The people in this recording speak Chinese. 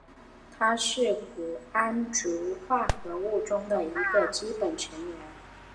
它是钴胺族化合物中的一个基本成员。